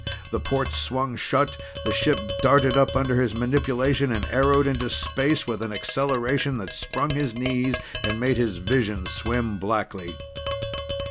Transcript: The ports swung shut. The ship darted up under his manipulation and arrowed into space with an acceleration that sprung his knees and made his vision swim blackly.